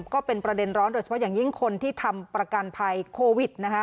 ก็เป็นประเด็นร้อนโดยเฉพาะอย่างยิ่งคนที่ทำประกันภัยโควิดนะคะ